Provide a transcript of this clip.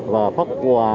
và phát quà